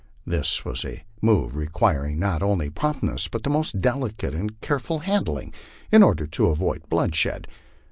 This was a move requiring not only promptness but most delicate and careful handling, in order to avoid bloodshed.